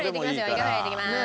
イカフライ入れていきまーす。